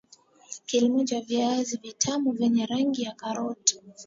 kilimo cha viazi vitamu vyenye rangi ya karoti